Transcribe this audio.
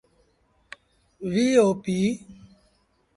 وي او پيٚ۔